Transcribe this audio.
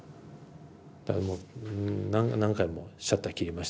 だからもう何回もシャッター切りましたね。